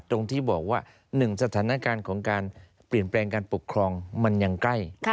ตรงที่บอกว่า๑สถานการณ์ของการเปลี่ยนแปลงการปกครองมันยังใกล้